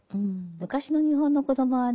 昔の日本の子供はね